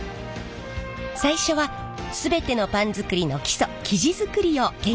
最初は全てのパン作りの基礎生地作りを見学します。